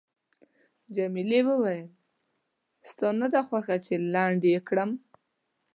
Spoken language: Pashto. جميلې وويل:، ستا نه ده خوښه چې لنډ یې کړم؟